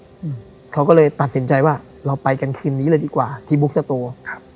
อืมเขาก็เลยตัดสินใจว่าเราไปกันคืนนี้เลยดีกว่าที่บุ๊กจะโตครับ